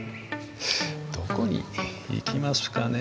どこに行きますかね。